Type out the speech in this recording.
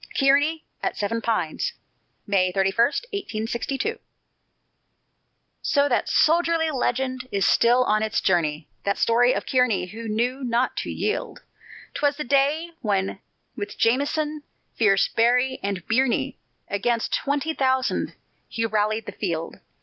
KEARNY AT SEVEN PINES [May 31, 1862] So that soldierly legend is still on its journey, That story of Kearny who knew not to yield! 'Twas the day when with Jameson, fierce Berry, and Birney, Against twenty thousand he rallied the field.